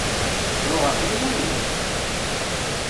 Ru ɣef yiman-ik!